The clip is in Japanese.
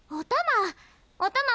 おたま！